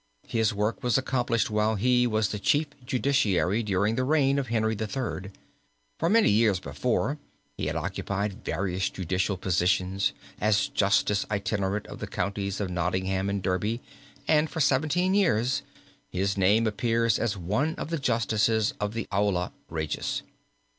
His work was accomplished while he was the Chief Justiciary during the reign of Henry III. For many years before he had occupied various judicial positions, as Justice Itinerant of the counties of Nottingham and Derby and for seventeen years his name appears as one of the justices of the Aula Regis.